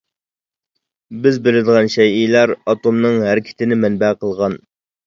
بىز بىلىدىغان شەيئىلەر ئاتومنىڭ ھەرىكىتىنى مەنبە قىلغان.